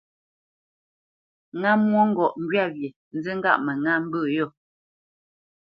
Ŋá mwôŋgɔʼ ŋgywâ wye, nzí ŋgâʼ mə ŋá mbə̂ yô.